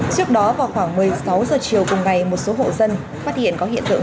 trước đó vào khoảng một mươi sáu h chiều cùng ngày một số hộ dân phát hiện có hiện tượng